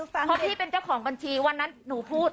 เพราะพี่เป็นเจ้าของบัญชีวันนั้นหนูพูด